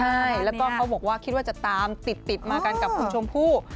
ใช่แล้วก็เขาบอกว่าคิดว่าจะตามติดมากันกับคุณชมพู่